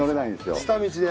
下道で。